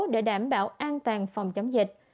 để đảm bảo an toàn phòng chống dịch